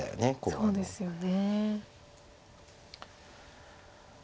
そうですね。